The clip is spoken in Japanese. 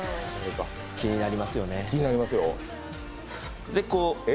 気になりますよねえ。